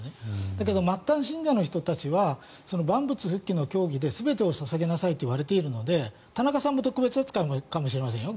だけど末端信者の人たちは万物復帰の教義で全てを捧げなさいと言われているので田中さんも特別扱いかもしれませんよ